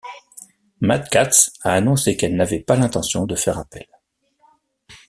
Mad Catz a annoncé qu'elle n'avait pas l'intention de faire appel.